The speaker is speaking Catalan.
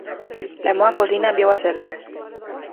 La meva cosina viu a Selva.